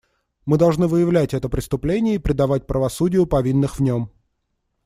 Мы должны выявлять это преступление и предавать правосудию повинных в нем.